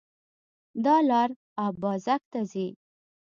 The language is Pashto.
دا لار اببازک ته ځي